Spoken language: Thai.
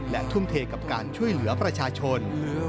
และทุ่มเทกับการช่วยเหลือประชาชน